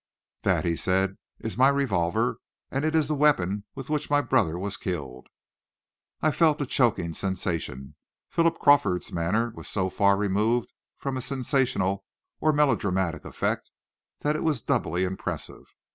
"That," he said, "is my revolver, and it is the weapon with which my brother was killed." I felt a choking sensation. Philip Crawford's manner was so far removed from a sensational or melodramatic effect, that it was doubly impressive.